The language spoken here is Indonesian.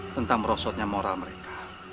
tentang merosotnya moral mereka